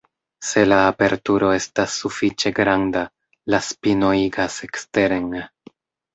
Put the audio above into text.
Se la aperturo estas sufiĉe granda, la spino igas eksteren.